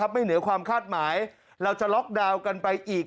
เหนือความคาดหมายเราจะล็อกดาวน์กันไปอีก